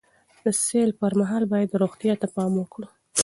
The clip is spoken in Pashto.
د سیل پر مهال باید روغتیا ته پام وکړو.